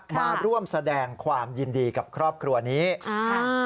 มาร่วมแสดงความยินดีกับครอบครัวนี้อ่า